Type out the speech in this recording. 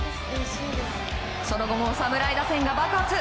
その後も侍打線が爆発。